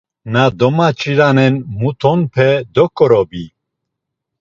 Na domaç̌iranen mutonpe doǩorobi.